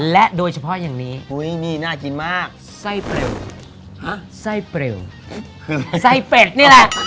และโดยเฉพาะอย่างนี้นี่น่ากินมากไส้เปลวไส้เปรียวคือไส้เป็ดนี่แหละ